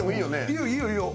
いいよいいよいいよ。